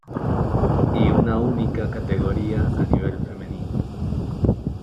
Y una única categoría a nivel femenino.